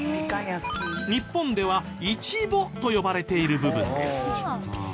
日本では「イチボ」と呼ばれている部分です。